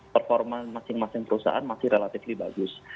performa masing masing perusahaan masih relatif bagus